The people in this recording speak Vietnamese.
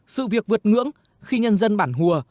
sự việc vượt ngưỡng khi nhân dân bản hùa